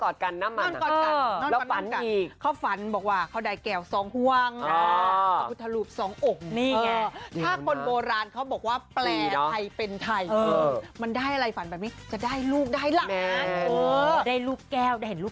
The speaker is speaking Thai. ได้ลูกแก้วได้เห็นลูกแก้วเห็นอะไรอย่างเงิน